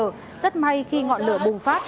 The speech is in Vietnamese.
rất may khi ngọn lửa bùng phát